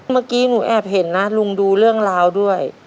เมื่อกี้หนูแอบเห็นนะลุงดูเรื่องราวด้วย